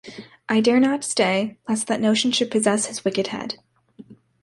I dare not stay, lest that notion should possess his wicked head!